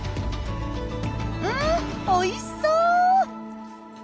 うんおいしそう！